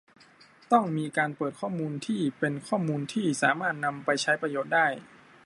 ต้องมีการเปิดข้อมูลที่เป็นข้อมูลที่สามารถนำไปใช้ประโยชน์ได้